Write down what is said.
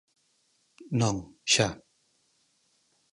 Non, xa.